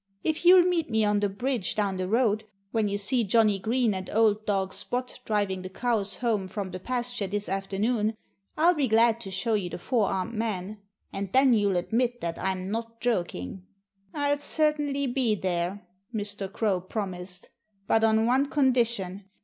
"If you'll meet me on the bridge down the road when you see Johnnie Green and old dog Spot driving the cows home from the pasture this afternoon, I'll be glad to show you the four armed man. And then you'll admit that I'm not joking." "I'll certainly be there " Mr. Crow promised "but on one condition.